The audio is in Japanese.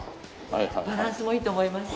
バランスもいいと思います。